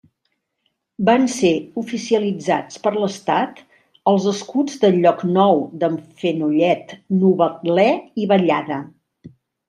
Van ser oficialitzats per l'Estat els escuts de Llocnou d'en Fenollet, Novetlè i Vallada.